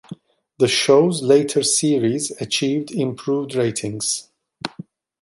The show's later series achieved improved ratings.